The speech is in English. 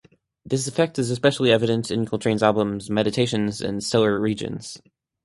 This effect is especially evident in Coltrane's albums "Meditations" and "Stellar Regions".